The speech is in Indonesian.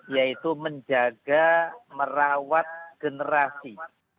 yaitu menjaga merawat generasi